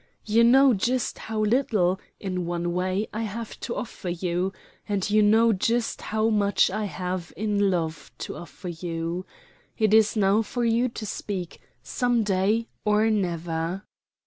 You know just how little, in one way, I have to offer you, and you know just how much I have in love to offer you. It is now for you to speak some day, or never.